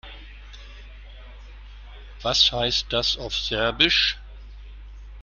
Was heißt das auf Serbisch?